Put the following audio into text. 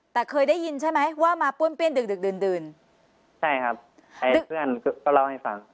แต่เคยได้ยินใช่ไหมว่ามาป้วนเปี้ยนดึกดึกดื่นดื่นใช่ครับไอ้เพื่อนก็เล่าให้ฟัง